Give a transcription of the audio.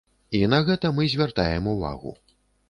І на гэта мы звяртаем увагу.